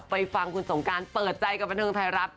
ไปฟังคุณสงการเปิดใจกับบนทรทธิรัพย์